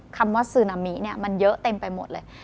คำว่าสุนามิมันเยอะเต็มไปหมดเลย